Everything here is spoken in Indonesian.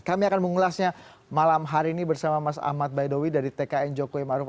kami akan mengulasnya malam hari ini bersama mas ahmad baidowi dari tkn jokowi maruf